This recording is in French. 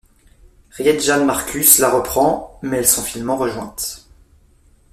Riejanne Markus la reprend, mais elles sont finalement rejointes.